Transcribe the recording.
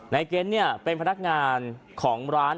ในเกรนเนี่ยเป็นพนักงานของร้าน